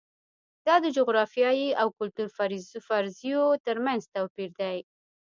دا د جغرافیې او کلتور فرضیو ترمنځ توپیر دی.